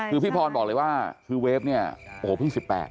คือพี่พรบอกเลยว่าคือเวฟเนี่ยโอ้โหเพิ่ง๑๘